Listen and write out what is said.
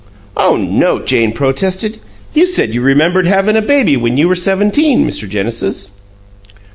"Oh no!" Jane protested. "You said you remembered havin' a baby when you were seventeen, Mr. Genesis."